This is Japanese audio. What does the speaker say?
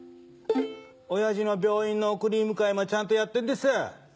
おやじの病院の送り迎えもちゃんとやってるんです。